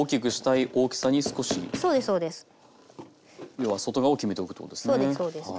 要は外側を決めておくということですね。